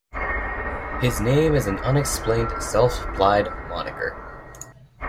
His name is an unexplained, self-applied moniker.